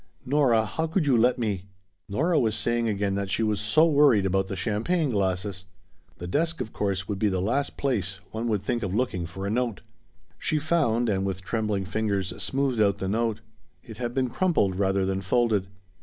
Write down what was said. "Nora, how could you let me " Nora was saying again that she was so worried about the champagne glasses The desk, of course, would be the last place one would think of looking for a note! She found, and with trembling fingers smoothed out the note; it had been crumpled rather than folded.